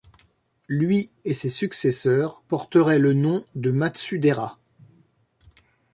Lui et ses successeurs porteraient le nom de Matsudaira.